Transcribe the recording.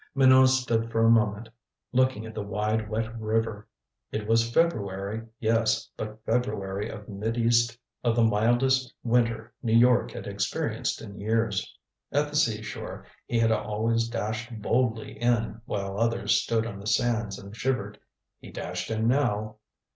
Minot stood for a moment looking at the wide wet river. It was February, yes, but February of the mildest winter New York had experienced in years. At the seashore he had always dashed boldly in while others stood on the sands and shivered. He dashed in now.